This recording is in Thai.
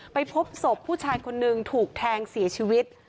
ไปพบศพผู้ชายคนนึงถูกแทงเสียชีวิต